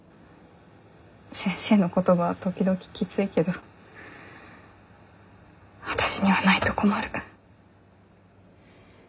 先生の言葉は時々きついけど私にはないと困る。